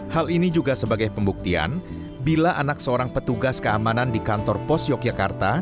hal ini juga sebagai pembuktian bila anak seorang petugas keamanan di kantor pos yogyakarta